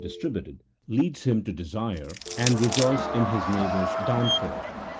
217 distributed) leads him to desire and rejoice in his neigh bour's downfall.